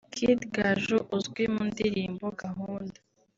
Kid Gaju uzwi mu ndirimbo ‘Gahunda’